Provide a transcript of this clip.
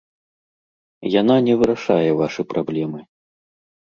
Яна не вырашае вашы праблемы!